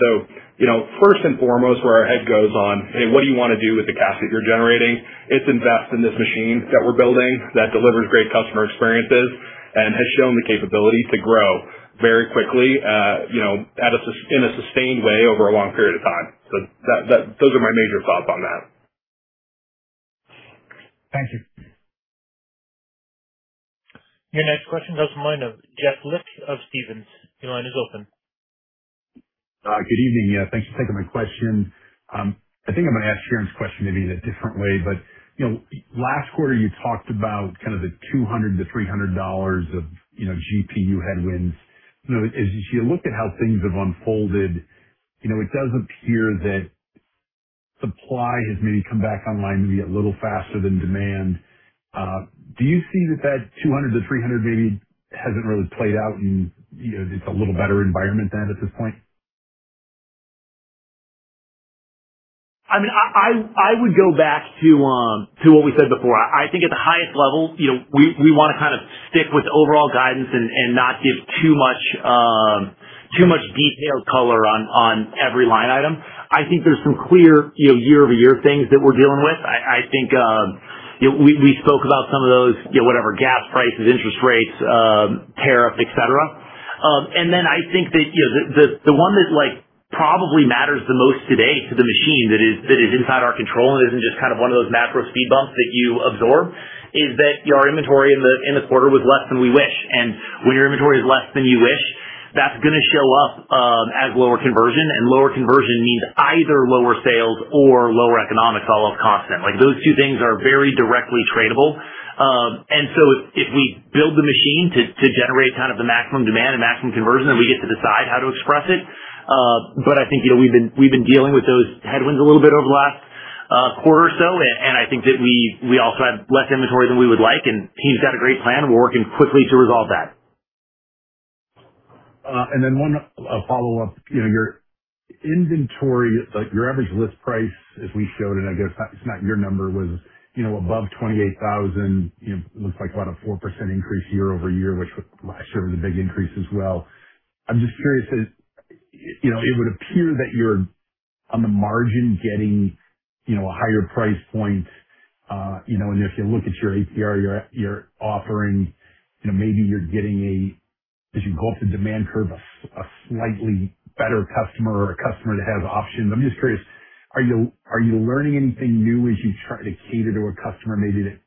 Speaker 4: First and foremost, where our head goes on, "Hey, what do you want to do with the cash that you're generating?" It's invest in this machine that we're building that delivers great customer experiences and has shown the capability to grow very quickly in a sustained way over a long period of time. Those are my major thoughts on that.
Speaker 11: Thank you.
Speaker 1: Your next question comes from the line of Jeff Lick of Stephens. Your line is open.
Speaker 12: Good evening. Thanks for taking my question. I think I'm going to ask Sharon's question maybe in a different way. Last quarter, you talked about kind of the $200-$300 of GPU headwinds. As you look at how things have unfolded, it does appear that supply has maybe come back online maybe a little faster than demand. Do you see that that $200-$300 maybe hasn't really played out and it's a little better environment then at this point?
Speaker 3: I would go back to what we said before. I think at the highest level, we want to kind of stick with overall guidance and not give too much detailed color on every line item. I think there's some clear year-over-year things that we're dealing with. I think we spoke about some of those, whatever, gas prices, interest rates, tariff, et cetera. I think that the one that probably matters the most today to the machine that is inside our control and isn't just one of those macro speed bumps that you absorb, is that our inventory in the quarter was less than we wish. When your inventory is less than you wish, that's going to show up as lower conversion, and lower conversion means either lower sales or lower economics, all else constant. Those two things are very directly tradable. If we build the machine to generate kind of the maximum demand and maximum conversion, then we get to decide how to express it. I think we've been dealing with those headwinds a little bit over the last quarter or so, and I think that we also have less inventory than we would like, and the team's got a great plan. We're working quickly to resolve that.
Speaker 12: One follow-up. Your inventory, your average list price, as we showed, and I guess it's not your number, was above 28,000, looks like about a 4% increase year-over-year, which last year was a big increase as well. I'm just curious, it would appear that you're on the margin getting a higher price point. If you look at your APR you're offering, maybe you're getting, as you go up the demand curve, a slightly better customer or a customer that has options. I'm just curious, are you learning anything new as you try to cater to a customer maybe that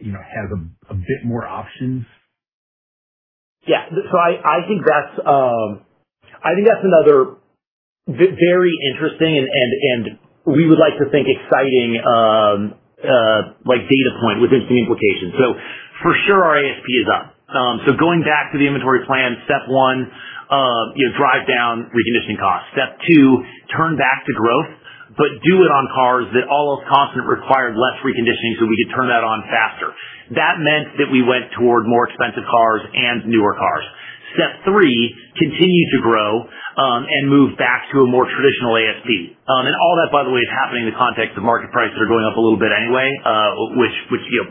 Speaker 12: has a bit more options?
Speaker 3: I think that's another very interesting and we would like to think exciting data point with interesting implications. For sure our ASP is up. Going back to the inventory plan, step one, drive down reconditioning costs. Step two, turn back to growth, but do it on cars that all else constant required less reconditioning so we could turn that on faster. That meant that we went toward more expensive cars and newer cars. Step three, continue to grow and move back to a more traditional ASP. All that, by the way, is happening in the context of market prices that are going up a little bit anyway, which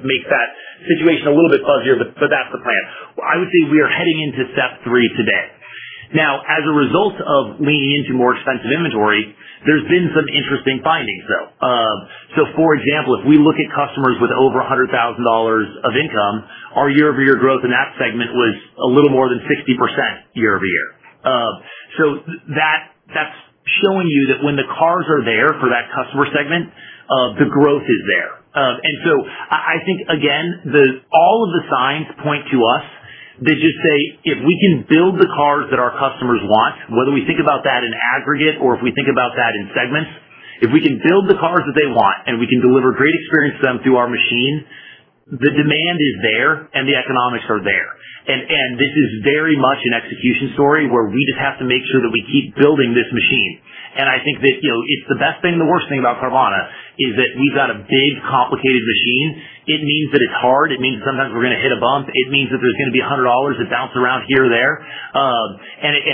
Speaker 3: makes that situation a little bit fuzzier, but that's the plan. I would say we are heading into step three today. As a result of leaning into more expensive inventory, there's been some interesting findings, though. For example, if we look at customers with over $100,000 of income, our year-over-year growth in that segment was a little more than 60% year-over-year. That's showing you that when the cars are there for that customer segment, the growth is there. I think, again, all of the signs point to us that just say if we can build the cars that our customers want, whether we think about that in aggregate or if we think about that in segments, if we can build the cars that they want and we can deliver great experience to them through our machine, the demand is there and the economics are there. This is very much an execution story where we just have to make sure that we keep building this machine. I think that it's the best thing and the worst thing about Carvana is that we've got a big, complicated machine. It means that it's hard. It means that sometimes we're going to hit a bump. It means that there's going to be $100 that bounce around here or there.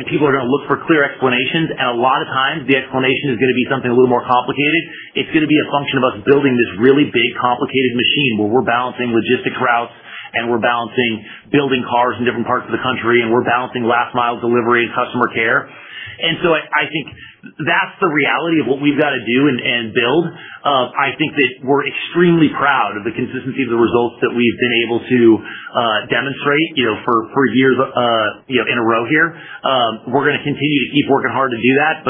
Speaker 3: People are going to look for clear explanations. A lot of times, the explanation is going to be something a little more complicated. It's going to be a function of us building this really big, complicated machine where we're balancing logistic routes and we're balancing building cars in different parts of the country, and we're balancing last mile delivery and customer care. I think that's the reality of what we've got to do and build. I think that we're extremely proud of the consistency of the results that we've been able to demonstrate for years in a row here. We're going to continue to keep working hard to do that.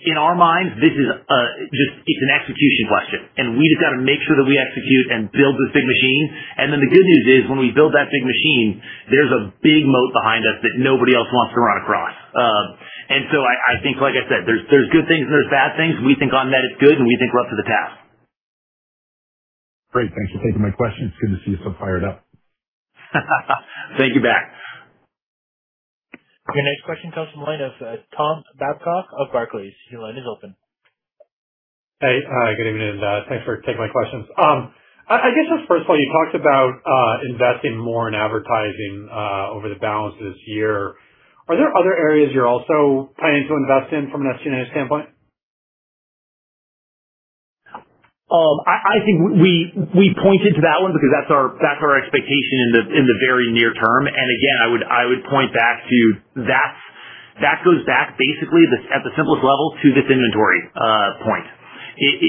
Speaker 3: In our minds, it's an execution question, and we just got to make sure that we execute and build this big machine. The good news is, when we build that big machine, there's a big moat behind us that nobody else wants to run across. I think, like I said, there's good things and there's bad things. We think on net it's good, and we think we're up to the task.
Speaker 12: Great. Thanks for taking my question. It is good to see you so fired up.
Speaker 3: Thank you, back.
Speaker 1: Your next question comes from the line of Tom Babcock of Barclays. Your line is open.
Speaker 13: Hey, good evening. Thanks for taking my questions. I guess just first of all, you talked about investing more in advertising over the balance of this year. Are there other areas you are also planning to invest in from an SG&A standpoint?
Speaker 3: I think we pointed to that one because that's our expectation in the very near term. Again, I would point back to that. That goes back basically, at the simplest level, to this inventory point.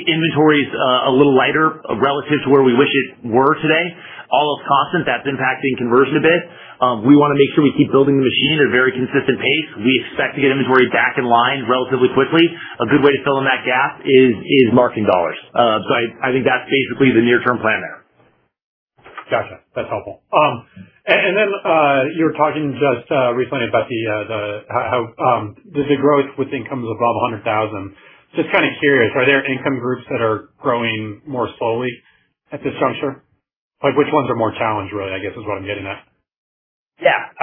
Speaker 3: Inventory is a little lighter relative to where we wish it were today. All else constant, that's impacting conversion a bit. We want to make sure we keep building the machine at a very consistent pace. We expect to get inventory back in line relatively quickly. A good way to fill in that gap is marketing dollars. I think that's basically the near-term plan there.
Speaker 13: Got you. That's helpful. You were talking just recently about the growth with incomes above $100,000. Just kind of curious, are there income groups that are growing more slowly at this juncture? Which ones are more challenged, really, I guess, is what I'm getting at.
Speaker 3: Yeah.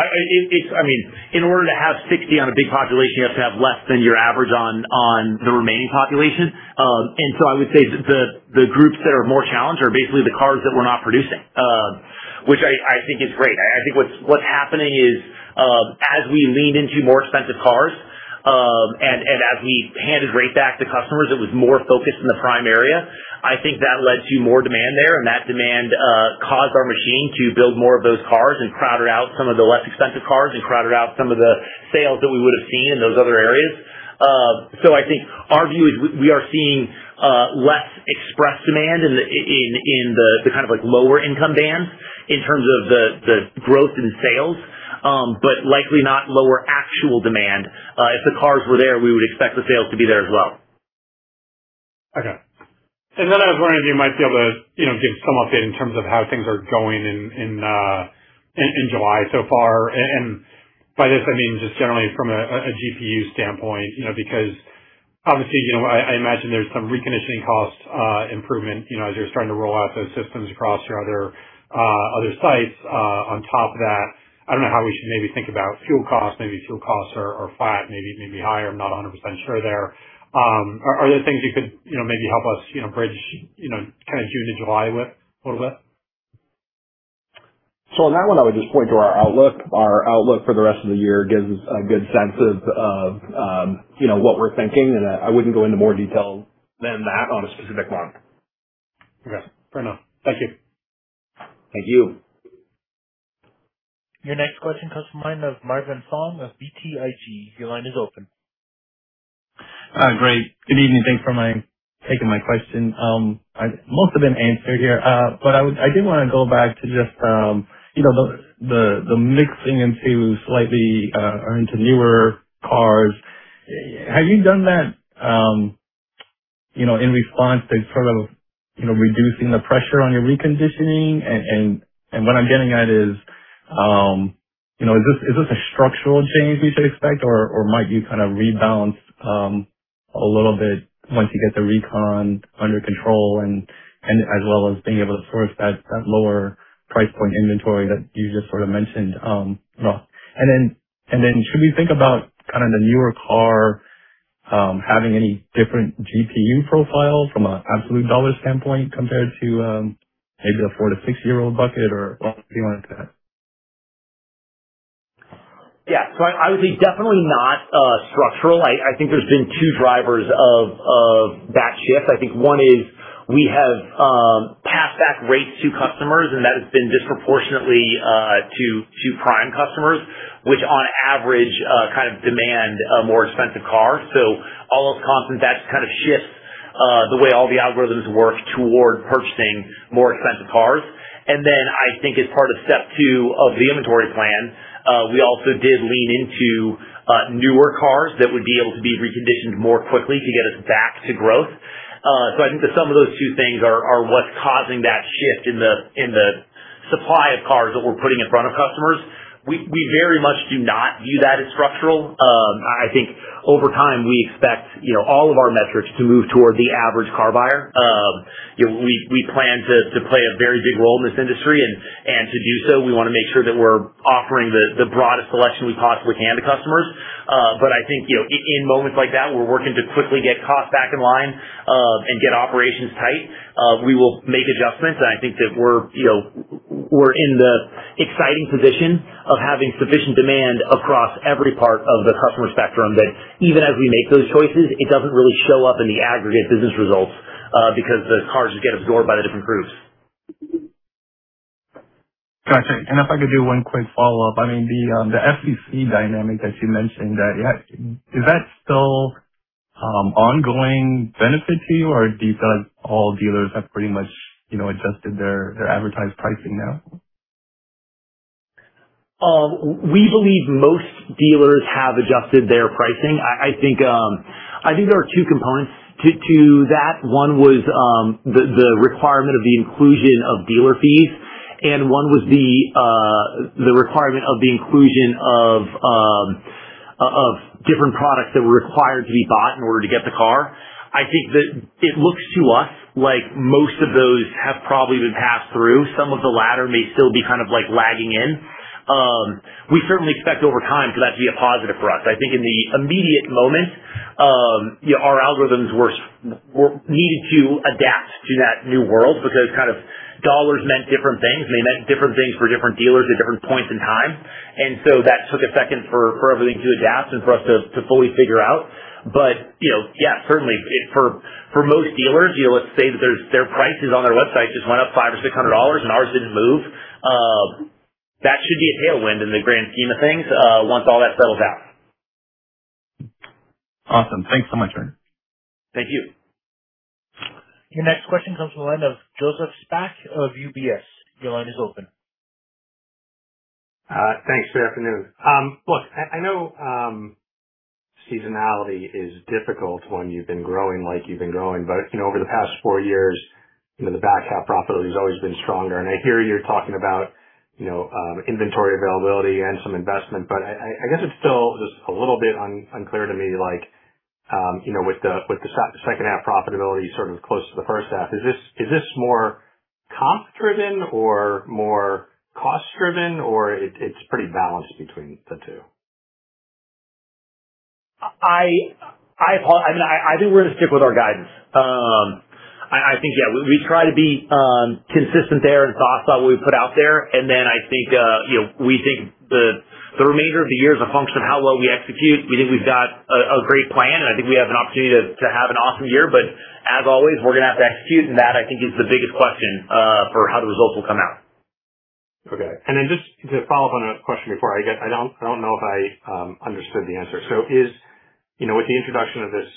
Speaker 3: In order to have 60 on a big population, you have to have less than your average on the remaining population. I would say the groups that are more challenged are basically the cars that we're not producing, which I think is great. I think what's happening is as we lean into more expensive cars, and as we handed right back to customers that was more focused in the prime area, I think that led to more demand there, and that demand caused our machine to build more of those cars and crowded out some of the less expensive cars and crowded out some of the sales that we would have seen in those other areas. I think our view is we are seeing less express demand in the lower income bands in terms of the growth in sales but likely not lower actual demand. If the cars were there, we would expect the sales to be there as well.
Speaker 13: Okay. I was wondering if you might be able to give some update in terms of how things are going in July so far. By this, I mean just generally from a GPU standpoint because obviously, I imagine there's some reconditioning cost improvement as you're starting to roll out those systems across your other sites. On top of that, I don't know how we should maybe think about fuel costs. Maybe fuel costs are flat, maybe even higher. I'm not 100% sure there. Are there things you could maybe help us bridge June to July with a little bit?
Speaker 4: On that one, I would just point to our outlook. Our outlook for the rest of the year gives us a good sense of what we're thinking, and I wouldn't go into more detail than that on a specific one.
Speaker 13: Okay. Fair enough. Thank you.
Speaker 3: Thank you.
Speaker 1: Your next question comes from the line of Marvin Fong of BTIG. Your line is open.
Speaker 14: Great. Good evening. Thanks for taking my question. Most of them answered here. I did want to go back to just the mixing into newer cars. Have you done that in response to sort of reducing the pressure on your reconditioning? What I'm getting at is this a structural change we should expect, or might you kind of rebalance a little bit once you get the recon under control and as well as being able to source that lower price point inventory that you just sort of mentioned? Should we think about the newer car having any different GPU profile from an absolute dollar standpoint compared to maybe a four to six-year-old bucket or anything like that?
Speaker 3: Yeah. I would say definitely not structural. I think there's been two drivers of that shift. I think one is We have passed back rates to customers, and that has been disproportionately to prime customers, which on average kind of demand a more expensive car. All else constant, that kind of shifts the way all the algorithms work toward purchasing more expensive cars. I think as part of step two of the inventory plan, we also did lean into newer cars that would be able to be reconditioned more quickly to get us back to growth. I think that some of those two things are what's causing that shift in the supply of cars that we're putting in front of customers. We very much do not view that as structural. I think over time, we expect all of our metrics to move toward the average car buyer. We plan to play a very big role in this industry. To do so, we want to make sure that we're offering the broadest selection we possibly can to customers. I think, in moments like that, we're working to quickly get costs back in line and get operations tight. We will make adjustments. I think that we're in the exciting position of having sufficient demand across every part of the customer spectrum that even as we make those choices, it doesn't really show up in the aggregate business results because the cars just get absorbed by the different groups.
Speaker 14: Got you. If I could do one quick follow-up, the FTC dynamic that you mentioned, is that still ongoing benefit to you, or do you feel like all dealers have pretty much adjusted their advertised pricing now?
Speaker 3: We believe most dealers have adjusted their pricing. I think there are two components to that. One was the requirement of the inclusion of dealer fees, one was the requirement of the inclusion of different products that were required to be bought in order to get the car. I think that it looks to us like most of those have probably been passed through. Some of the latter may still be lagging in. We certainly expect over time for that to be a positive for us. I think in the immediate moment, our algorithms needed to adapt to that new world because dollars meant different things. They meant different things for different dealers at different points in time. So that took a second for everything to adapt and for us to fully figure out. Yeah, certainly for most dealers, let's say that their prices on their website just went up $500 or $600 and ours didn't move, that should be a tailwind in the grand scheme of things once all that settles out.
Speaker 14: Awesome. Thanks so much, Ernie.
Speaker 3: Thank you.
Speaker 1: Your next question comes from the line of Joseph Spak of UBS. Your line is open.
Speaker 15: Thanks. Good afternoon. Look, I know seasonality is difficult when you've been growing like you've been growing, but over the past four years, the back half profitability has always been stronger. I hear you're talking about inventory availability and some investment, but I guess it's still just a little bit unclear to me, with the second half profitability sort of close to the first half, is this more comp driven or more cost driven, or it's pretty balanced between the two?
Speaker 3: I think we're going to stick with our guidance. I think, yeah, we try to be consistent there and thoughtful in what we put out there. Then I think, we think the remainder of the year is a function of how well we execute. We think we've got a great plan, and I think we have an opportunity to have an awesome year. As always, we're going to have to execute, and that, I think, is the biggest question for how the results will come out.
Speaker 15: Okay. Just to follow up on a question before, I don't know if I understood the answer. With the introduction of this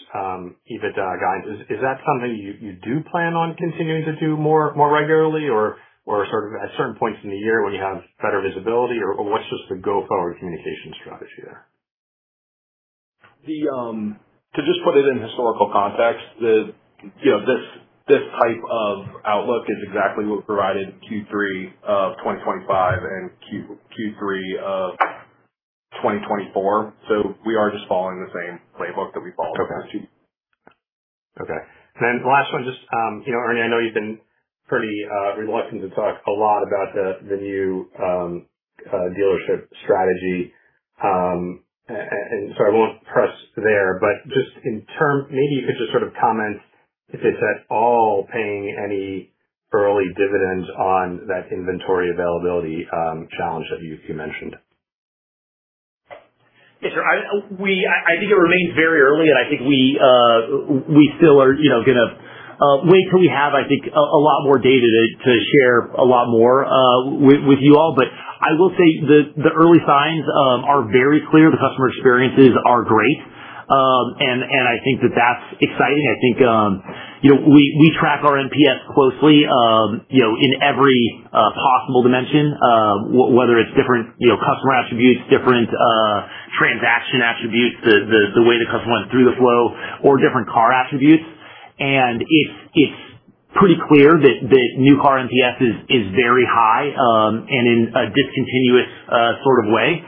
Speaker 15: EBITDA guidance, is that something you do plan on continuing to do more regularly? Or sort of at certain points in the year when you have better visibility? What's just the go-forward communication strategy there?
Speaker 4: To just put it in historical context, this type of outlook is exactly what we provided Q3 of 2025 and Q3 of 2024. We are just following the same playbook that we followed last year.
Speaker 15: Okay. The last one, just, Ernie, I know you've been pretty reluctant to talk a lot about the new dealership strategy, I won't press there. Maybe you could just sort of comment if it's at all paying any early dividends on that inventory availability challenge that you mentioned.
Speaker 3: Yes, sir. I think it remains very early, we still are going to wait till we have a lot more data to share a lot more with you all. I will say the early signs are very clear. The customer experiences are great. I think that's exciting. I think we track our NPS closely in every possible dimension, whether it's different customer attributes, different transaction attributes, the way the customer went through the flow, or different car attributes. It's pretty clear that new car NPS is very high and in a discontinuous sort of way.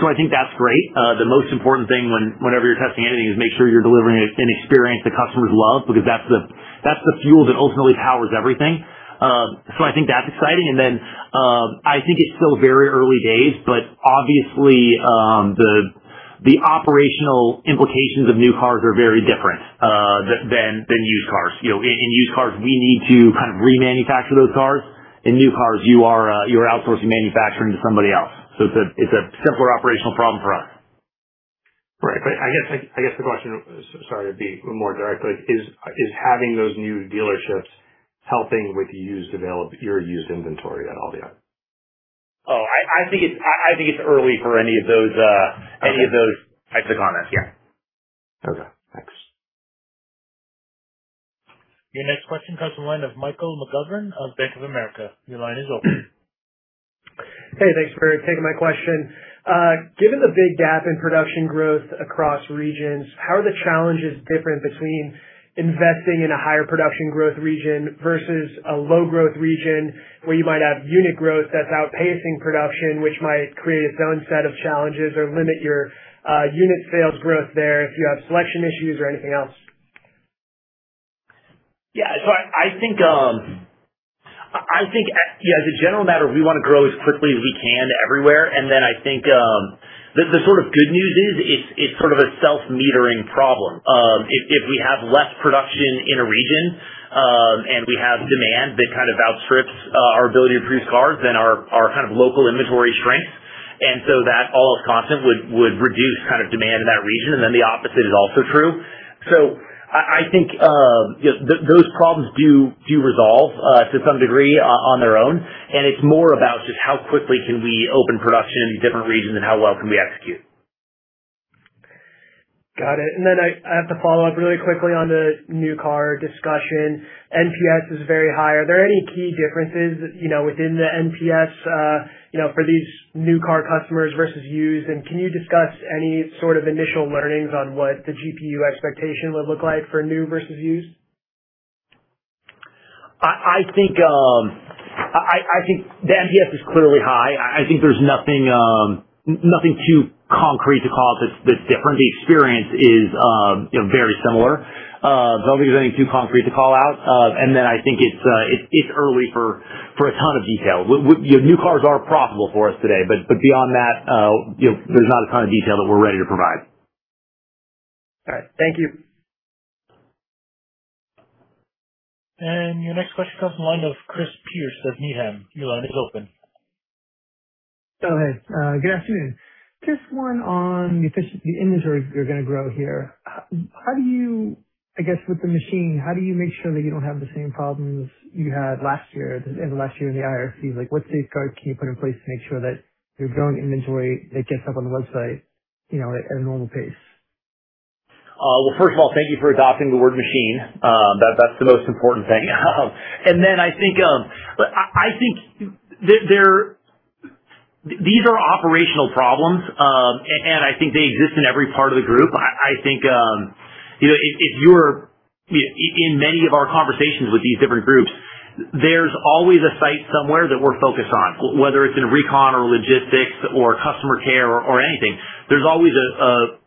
Speaker 3: I think that's great. The most important thing whenever you're testing anything is make sure you're delivering an experience that customers love because that's the fuel that ultimately powers everything. I think that's exciting. I think it's still very early days, obviously, the operational implications of new cars are very different than used cars. In used cars, we need to kind of remanufacture those cars. In new cars, you are outsourcing manufacturing to somebody else. It's a simpler operational problem for us.
Speaker 15: Right. I guess the question, sorry to be more direct, is having those new dealerships helping with your used inventory at all yet?
Speaker 3: Oh, I think it's early for any of those types of comments. Yeah.
Speaker 15: Okay, thanks.
Speaker 1: Your next question comes from the line of Michael McGovern of Bank of America. Your line is open.
Speaker 16: Hey, thanks for taking my question. Given the big gap in production growth across regions, how are the challenges different between investing in a higher production growth region versus a low growth region where you might have unit growth that's outpacing production, which might create its own set of challenges or limit your unit sales growth there if you have selection issues or anything else?
Speaker 3: Yeah. As a general matter, we want to grow as quickly as we can everywhere. I think the good news is it's sort of a self-metering problem. If we have less production in a region, and we have demand that kind of outstrips our ability to produce cars than our local inventory strengths, that all else constant would reduce demand in that region. The opposite is also true. I think those problems do resolve to some degree on their own, and it's more about just how quickly can we open production in different regions and how well can we execute.
Speaker 16: Got it. I have to follow up really quickly on the new car discussion. NPS is very high. Are there any key differences within the NPS for these new car customers versus used? Can you discuss any sort of initial learnings on what the GPU expectation would look like for new versus used?
Speaker 3: I think the NPS is clearly high. I think there's nothing too concrete to call it that's different. The experience is very similar. I don't think there's anything too concrete to call out. I think it's early for a ton of detail. New cars are profitable for us today, beyond that, there's not a ton of detail that we're ready to provide.
Speaker 16: All right. Thank you.
Speaker 1: Your next question comes from the line of Chris Pierce of Needham. Your line is open.
Speaker 17: Oh, hey. Good afternoon. Just one on the inventory you're going to grow here. With the machine, how do you make sure that you don't have the same problems you had last year in the IRC? What safeguards can you put in place to make sure that your growing inventory that gets up on the website at a normal pace?
Speaker 3: First of all, thank you for adopting the word machine. That's the most important thing. These are operational problems, and I think they exist in every part of the group. In many of our conversations with these different groups, there's always a site somewhere that we're focused on, whether it's in recon or logistics or customer care or anything. There's always a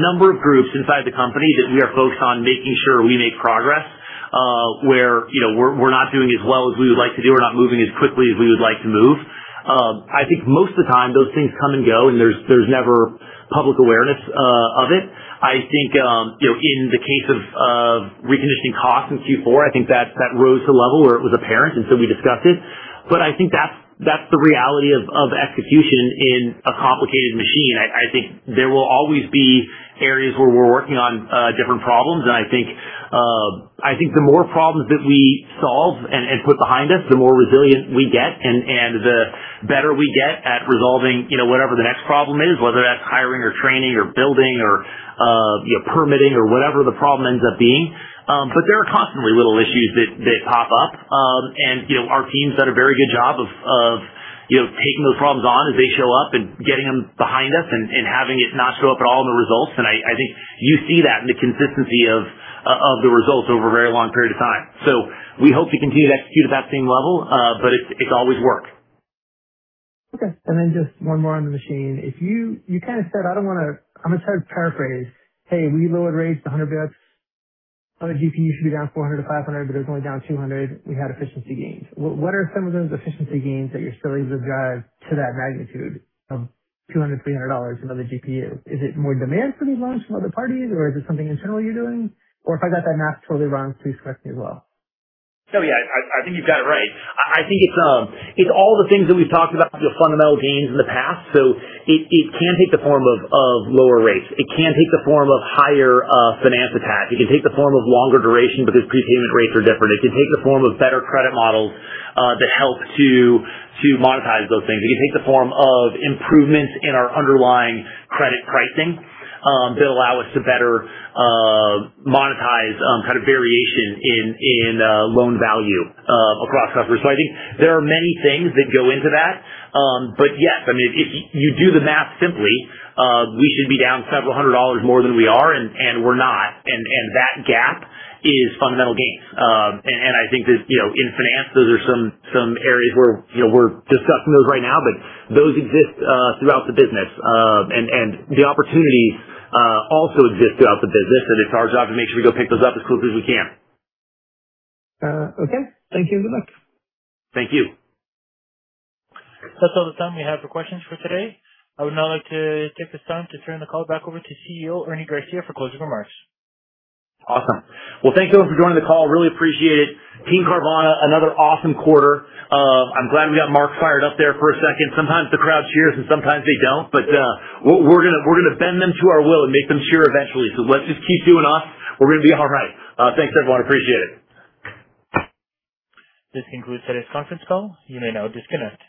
Speaker 3: number of groups inside the company that we are focused on making sure we make progress, where we're not doing as well as we would like to do, we're not moving as quickly as we would like to move. I think most of the time, those things come and go, and there's never public awareness of it. I think, in the case of reconditioning costs in Q4, I think that rose to a level where it was apparent. We discussed it. I think that's the reality of execution in a complicated machine. I think there will always be areas where we're working on different problems. I think the more problems that we solve and put behind us, the more resilient we get and the better we get at resolving whatever the next problem is, whether that's hiring or training or building or permitting or whatever the problem ends up being. There are constantly little issues that pop up. Our teams done a very good job of taking those problems on as they show up and getting them behind us and having it not show up at all in the results. I think you see that in the consistency of the results over a very long period of time. We hope to continue to execute at that same level. It's always work.
Speaker 17: Just one more on the machine. You said, I'm going to try to paraphrase. Hey, we lowered rates 100 basis points on a GPU should be down $400 to $500, but it was only down $200. We had efficiency gains. What are some of those efficiency gains that you're still able to drive to that magnitude of $200, $300 another GPU? Is it more demand for these loans from other parties, or is it something internal you're doing? If I got that math totally wrong, please correct me as well.
Speaker 3: I think you've got it right. I think it's all the things that we've talked about, the fundamental gains in the past. It can take the form of lower rates. It can take the form of higher finance attach. It can take the form of longer duration because prepayment rates are different. It can take the form of better credit models that help to monetize those things. It can take the form of improvements in our underlying credit pricing that allow us to better monetize variation in loan value across customers. I think there are many things that go into that. Yes, if you do the math simply, we should be down several hundred dollars more than we are, and we're not. That gap is fundamental gains. I think that in finance, those are some areas where we're discussing those right now, but those exist throughout the business. The opportunities also exist throughout the business, and it's our job to make sure we go pick those up as quickly as we can.
Speaker 17: Okay. Thank you. Good luck.
Speaker 3: Thank you.
Speaker 1: That's all the time we have for questions for today. I would now like to take this time to turn the call back over to CEO Ernie Garcia for closing remarks.
Speaker 3: Awesome. Well, thank you everyone for joining the call. Really appreciate it. Team Carvana, another awesome quarter. I'm glad we got Mark fired up there for a second. Sometimes the crowd cheers, and sometimes they don't. We're going to bend them to our will and make them cheer eventually. Let's just keep doing us. We're going to be all right. Thanks, everyone. I appreciate it.
Speaker 1: This concludes today's conference call. You may now disconnect.